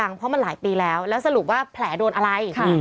เพราะมันหลายปีแล้วแล้วสรุปว่าแผลโดนอะไร